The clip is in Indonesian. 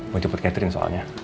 mau jemput catherine soalnya